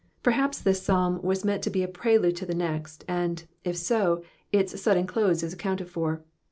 Perhaps UUs Psalm yxis meant to be a prelude to the next, and, if so. Us sudden chse is accounted for.